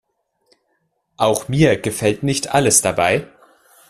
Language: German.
Auch mir gefällt nicht alles dabei.